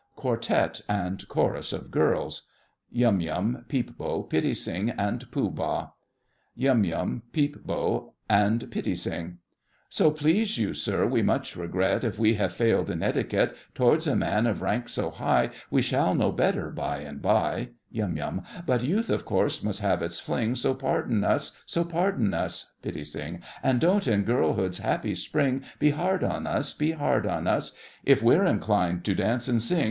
QUARTET AND CHORUS OF GIRLS. YUM YUM, PEEP BO, PITTI SING, and POOH BAH. YUM, PEEP. So please you, Sir, we much regret and PITTI. If we have failed in etiquette Towards a man of rank so high— We shall know better by and by. YUM. But youth, of course, must have its fling, So pardon us, So pardon us, PITTI. And don't, in girlhood's happy spring, Be hard on us, Be hard on us, If we're inclined to dance and sing.